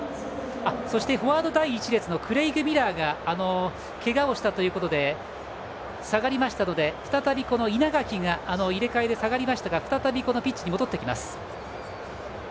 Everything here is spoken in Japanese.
そしてフォワード第１列のクレイグ・ミラーがけがをしたということで下がりましたので稲垣が入れ替えで下がりましたが、再びピッチに戻ってきます。